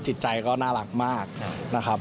จิตใจก็น่ารักมากนะครับ